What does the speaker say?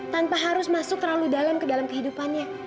tanpa harus masuk terlalu dalam ke dalam kehidupannya